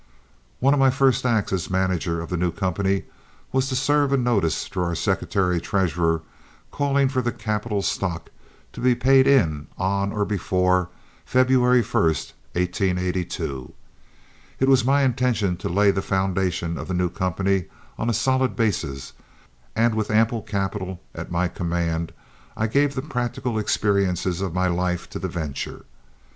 One of my first acts as manager of the new company was to serve a notice through our secretary treasurer calling for the capital stock to be paid in on or before February 1, 1882. It was my intention to lay the foundation of the new company on a solid basis, and with ample capital at my command I gave the practical experiences of my life to the venture.